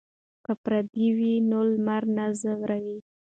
که پرده وي نو لمر نه ځوروي.